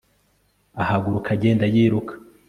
ahaguruka agenda yiruka